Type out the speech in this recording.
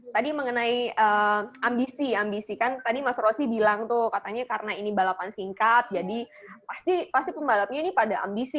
tadi mengenai ambisi ambisi kan tadi mas rosi bilang tuh katanya karena ini balapan singkat jadi pasti pembalapnya ini pada ambisi